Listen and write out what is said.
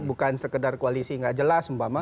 bukan sekedar koalisi tidak jelas